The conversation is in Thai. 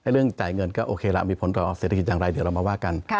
เรื่องจ่ายเงินก็โอเคละมีผลต่อเศรษฐกิจอย่างไรเดี๋ยวเรามาว่ากัน